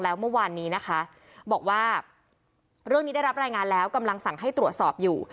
แล้วเมื่อวานนี้นะคะบอกว่าเรื่องนี้ได้รับรายงานแล้วกำลังสั่งให้ตรวจสอบอยู่